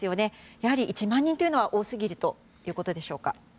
やはり１万人というのは多すぎるということでしょうか。